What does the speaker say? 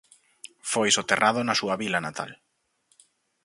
Foi soterrado na súa vila natal.